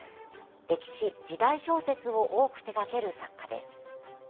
歴史・時代小説を多く手がける作家です。